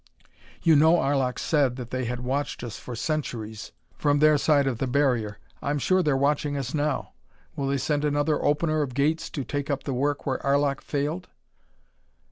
"You know Arlok said that they had watched us for centuries from their side of the barrier. I'm sure they're watching us now. Will they send another Opener of Gates to take up the work where Arlok failed?"